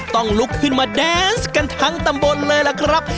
ต้องลุกขึ้นมาแดนส์กันทั้งตำบลเลยล่ะครับ